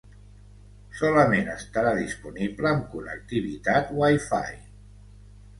Solament estarà disponible amb connectivitat Wi-Fi.